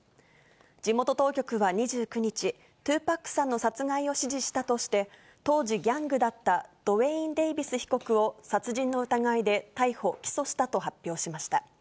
地元当局は２９日、２パックさんの殺害を指示したとして、当時、ギャングだったドウェイン・デイビス被告を殺人の疑いで逮捕・起訴したと発表しました。